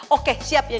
oke siap ya